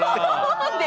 何で？